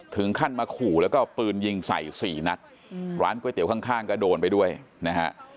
ถึงขั้นมาขู่แล้วก็เอาปืนยิงใส่สี่นัดร้านก๋วยเตี๋ยวข้างก็โดนไปด้วยนะฮะ